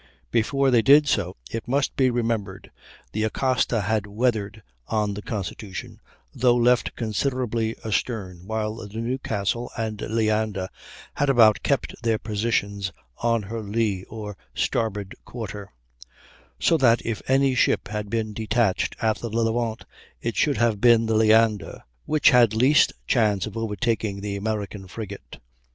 Before they did so, it must be remembered the Acasta had weathered on the Constitution, though left considerably astern, while the Newcastle and Leander had about kept their positions on her lee or starboard quarter; so that if any ship had been detached after the Levant it should have been the Leander, which had least chance of overtaking the American frigate.